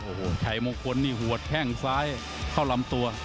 โอ้โหชัยมงคลนี่หัวแข้งซ้ายเข้าลำตัว